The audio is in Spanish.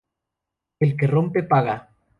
El que rompe, paga